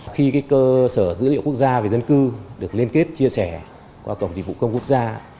khi cơ sở dữ liệu quốc gia về dân cư được liên kết chia sẻ qua cổng dịch vụ công quốc gia